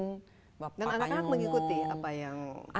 dan anak anak mengikuti apa yang dijadi atau apa